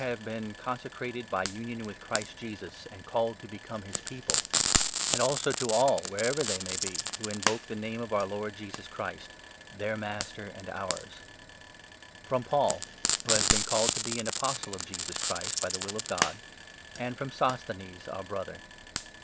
nave been consecrated by union with Christ Jesus and called to become his People, and also to all, wherever they may be, who invoke the Name of our Lord Jesus Christ — their Master and ours, FROM Paul, who has been called to be an Apostle of Jesus Christ by the will of God, AND FROM Sosthenes, our Brother.